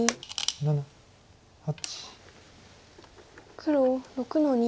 黒６の二。